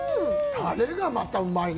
タレがまたうまいね。